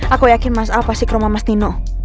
aku yakin mas al pasti ke rumah mas dino